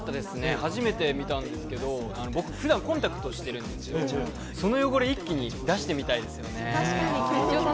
初めて見たんですが、僕、普段コンタクトしてるんですけど、その汚れ、一気に出してみたいですよね。